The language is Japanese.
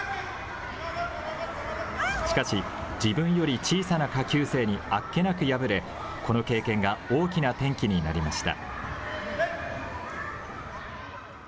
しかし、自分より小さな下級生にあっけなく敗れ、この経験が大きな転機になりました。